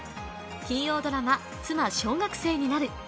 金曜ドラマ「妻、小学生になる。」